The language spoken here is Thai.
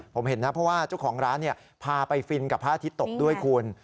ผมเห็นนะเพราะว่าเจ้าของร้านพาไปฟินกับพระอาทิตย์ตกด้วยคุณ